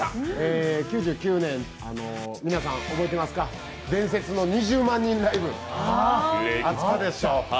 ９９年、皆さん、覚えてますか伝説の２０万人ライブ、あったでしょ。